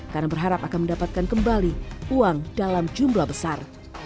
karena berharap akan mendapatkan kembali uang dalam jumlah besar